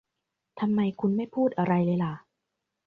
ทำไมคุณไม่พูดอะไรเลยล่ะ